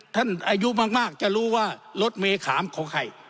อายุมากจะรู้ว่ารถเมขามของใคร